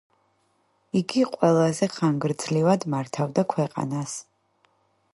იგი ყველაზე ხანგრძლივად მართავდა ქვეყანას.